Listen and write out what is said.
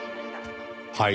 はい？